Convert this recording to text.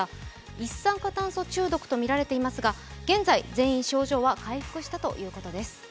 一酸化炭素中毒とみられていますが現在、症状は回復したということです。